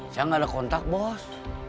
saya nggak ada kontak bos